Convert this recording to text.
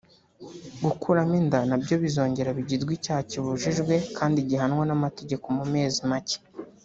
gukuramo inda nabyo bizongera bigirwe icyaha kibujijwe kandi gihanwa n’amategeko mu mezi make